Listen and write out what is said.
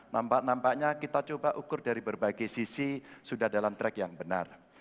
nampak nampaknya kita coba ukur dari berbagai sisi sudah dalam track yang benar